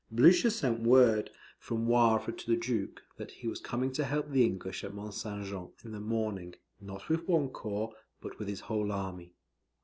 Blucher sent word from Wavre to the Duke, that he was coming to help the English at Mont St. Jean, in the morning, not with one corps, but with his whole army.